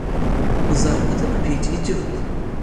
Заработок ведь идет.